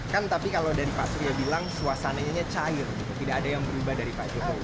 kan tapi kalau dari pak surya bilang suasananya cair tidak ada yang berubah dari pak jokowi